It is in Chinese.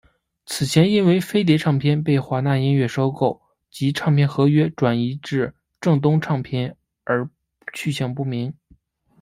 此前因为飞碟唱片被华纳音乐收购及唱片合约转移至正东唱片而去向不明。